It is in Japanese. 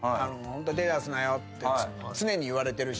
「手出すなよ」って常に言われてるし。